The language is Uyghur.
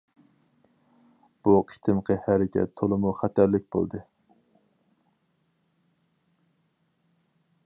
بۇ قېتىمقى ھەرىكەت تولىمۇ خەتەرلىك بولدى.